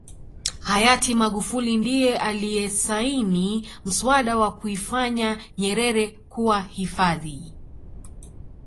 hayati magufuli ndiye aliyesaini mswada wa kuifanya nyerere kuwa hifadhi